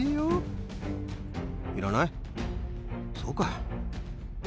そうか。